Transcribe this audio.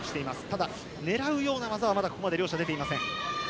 ただ、狙うような技はここまで両者出ていません。